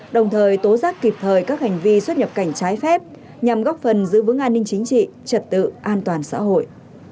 đồng thời tố giác kịp thời các hành vi xuất nhập cảnh trái phép nhằm góp phần giữ vững an ninh chính trị trật tự an toàn xã hội